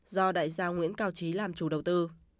do đại gia nguyễn cao trí làm chủ đầu tư